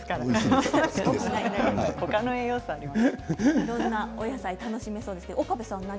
いろんな野菜楽しめそうです。